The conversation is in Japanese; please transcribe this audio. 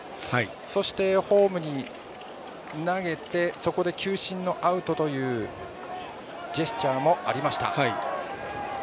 そして、ホームに投げてそこで球審のアウトというジェスチャーもありました。